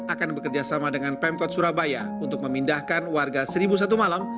akan bekerjasama dengan pemkot surabaya untuk memindahkan warga seribu satu malam